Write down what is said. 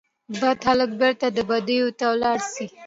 بد هلک بیرته بدیو ته ولاړ سي